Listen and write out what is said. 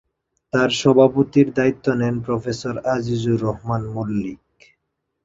তার সভাপতির দায়িত্ব নেন প্রফেসর আজিজুর রহমান মল্লিক।